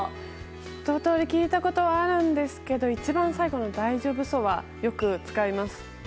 ひと通り聞いたことはあるんですが一番最後の「大丈夫そ？」はよく使います。